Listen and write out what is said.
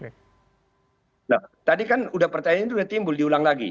nah tadi kan udah pertanyaan itu udah timbul diulang lagi